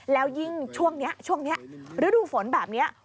แล้วยิ่งช่วงนี้ช่วงนี้ฤดูฝนแบบนี้